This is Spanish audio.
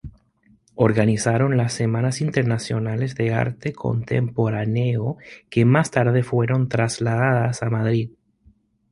Organizaron las "Semanas Internacionales de Arte Contemporáneo", que más tarde fueron trasladadas a Madrid.